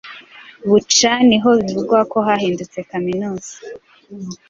Bucca niho bivugwa ko hahindutse kaminuza